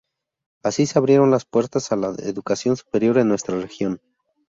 Así se abrieron las puertas a la educación superior en nuestra región.